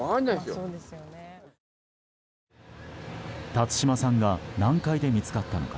辰島さんが何階で見つかったのか